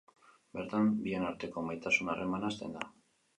Bertan, bien arteko maitasun-harremana hasten da.